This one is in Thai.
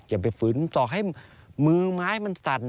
อย่าไปฝืนต่อให้มือไม้มันสั่น